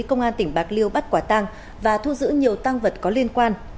công an tỉnh bạc liêu bắt quả tăng và thu giữ nhiều tăng vật có liên quan